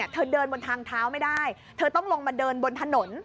เธอเดินบนทางเท้าไม่ได้เธอต้องลงมาเดินบนถนน